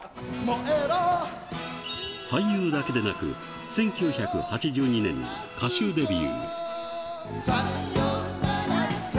俳優だけでなく、１９８２年に歌手デビュー。